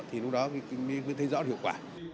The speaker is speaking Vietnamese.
thì lúc đó mới thấy rõ hiệu quả